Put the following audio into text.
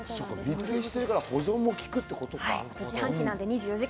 密閉してるから保存もきくってことか。